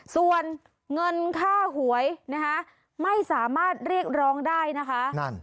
ส่วนเงินค่าหวยนะคะไม่สามารถเรียกร้องได้นะคะ